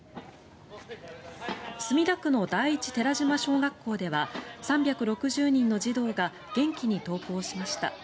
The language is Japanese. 墨田区の第一寺島小学校では３６０人の児童が元気に登校しました。